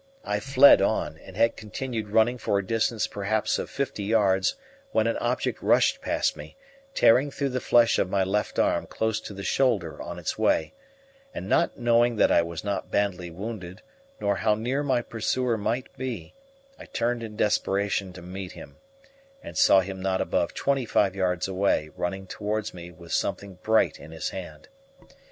I fled on, and had continued running for a distance perhaps of fifty yards when an object rushed past me, tearing through the flesh of my left arm close to the shoulder on its way; and not knowing that I was not badly wounded nor how near my pursuer might be, I turned in desperation to meet him, and saw him not above twenty five yards away, running towards me with something bright in his hand.